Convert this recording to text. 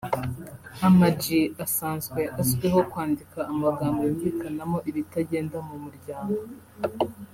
Ama G asanzwe azwiho kwandika amagambo yumvikanamo ibitagenda mu muryango